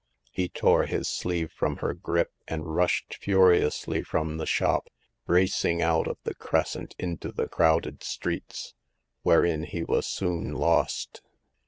" He tore his sleeve from her grip, and rushed furiously from the shop, racing out of the cres cent into the crowded streets, wherein he was soon lost.